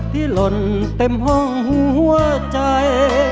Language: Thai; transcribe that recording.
หล่นเต็มห้องหัวใจ